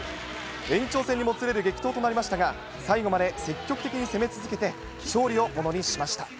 延長戦にもつれる激闘となりましたが、最後まで積極的に攻め続けて勝利をものにしました。